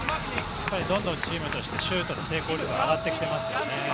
どんどんチームとしてシュートの成功率が上がってきていますよね。